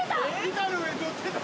板の上に乗ってたよ。